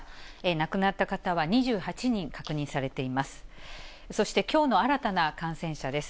亡くなった方は２８人確認されています。